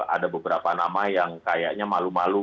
ada beberapa nama yang kayaknya malu malu